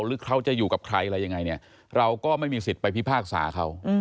หรือเขาจะอยู่กับใครอะไรยังไงเนี่ยเราก็ไม่มีสิทธิ์ไปพิพากษาเขา